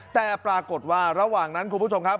แต่ปรากฏว่าระหว่างนั้นคุณผู้ชมครับ